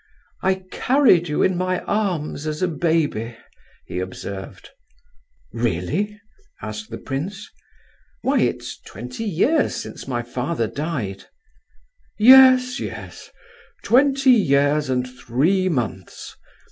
"I carried you in my arms as a baby," he observed. "Really?" asked the prince. "Why, it's twenty years since my father died." "Yes, yes—twenty years and three months.